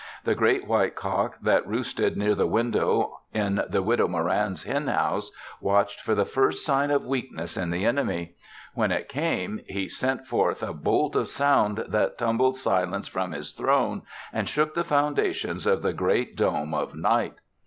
The great, white cock that roosted near the window in the Widow Moran's hen house watched for the first sign of weakness in the enemy. When it came, he sent forth a bolt of sound that tumbled Silence from his throne and shook the foundations of the great dome of Night.